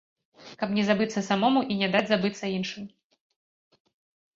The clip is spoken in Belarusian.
Каб не забыцца самому і не даць забыць іншым.